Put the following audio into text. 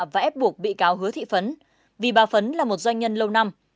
và ép buộc bị cáo hứa thị phấn vì bà phấn là một doanh nhân lâu năm